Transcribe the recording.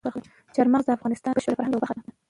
چار مغز د افغانستان د بشري فرهنګ یوه برخه ده.